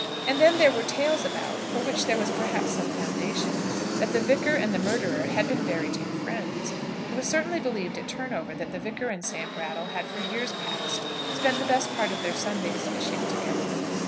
And then there were tales about for which there was perhaps some foundation, that the Vicar and the murderer had been very dear friends. It was certainly believed at Turnover that the Vicar and Sam Brattle had for years past spent the best part of their Sundays fishing together.